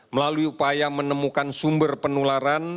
melalui upaya menemukan sumber penularan